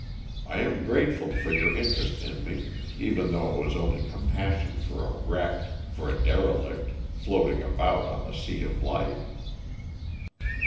I am grateful for your interest in me, even though it was only compassion for a wreck for a derelict, floating about on the sea of life."